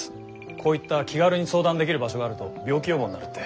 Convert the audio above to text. こういった気軽に相談できる場所があると病気予防になるって。